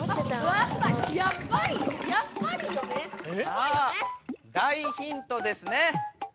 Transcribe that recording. さあ大ヒントですね。